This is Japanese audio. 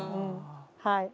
はい。